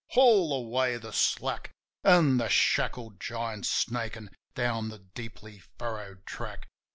Haul away the slack! An' the shackled giant's snakin' down the deeply furrowed track.